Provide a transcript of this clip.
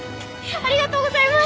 ありがとうございます！